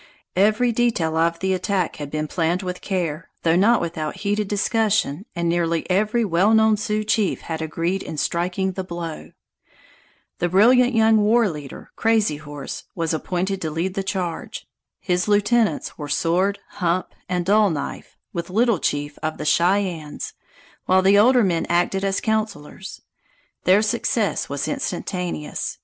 Every detail of the attack had been planned with care, though not without heated discussion, and nearly every well known Sioux chief had agreed in striking the blow. The brilliant young war leader, Crazy Horse, was appointed to lead the charge. His lieutenants were Sword, Hump, and Dull Knife, with Little Chief of the Cheyennes, while the older men acted as councilors. Their success was instantaneous.